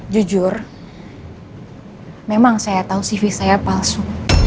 jujur memang saya tahu cv saya palsu